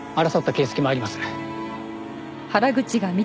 争った形跡もあります。